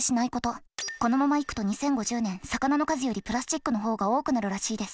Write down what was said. このままいくと２０５０年魚の数よりプラスチックの方が多くなるらしいです。